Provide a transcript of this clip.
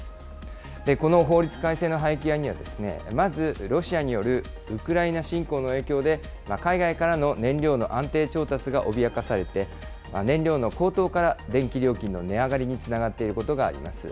この法律改正の背景には、まずロシアによるウクライナ侵攻の影響で、海外からの燃料の安定調達が脅かされて、燃料の高騰から電気料金の値上がりにつながっていることがあります。